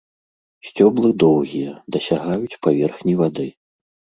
Сцёблы доўгія, дасягаюць паверхні вады.